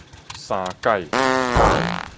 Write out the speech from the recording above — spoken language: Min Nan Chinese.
三改